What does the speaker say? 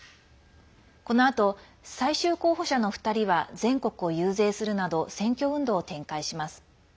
このあと、最終候補者の２人は全国を遊説するなど選挙運動を展開します。